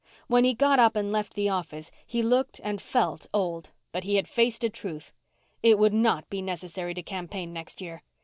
When he got up and left the office he looked and felt old but he had faced a truth. It would not be necessary to campaign next year.